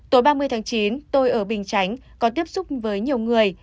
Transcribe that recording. tối ba mươi tháng chín tôi ở bình chánh có tiếp xúc với nhiều người